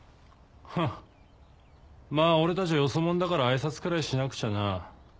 フンまぁ俺たちよそ者だから挨拶くらいしなくちゃな。